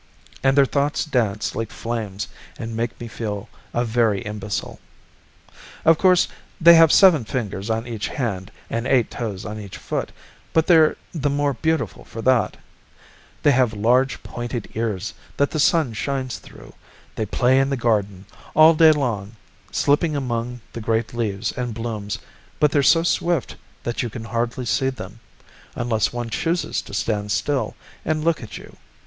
And their thoughts dance like flames and make me feel a very imbecile. "Of course, they have seven fingers on each hand and eight toes on each foot, but they're the more beautiful for that. They have large pointed ears that the Sun shines through. They play in the garden, all day long, slipping among the great leaves and blooms, but they're so swift that you can hardly see them, unless one chooses to stand still and look at you.